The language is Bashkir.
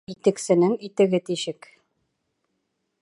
Итексенең итеге тишек